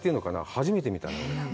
初めて見たね、俺。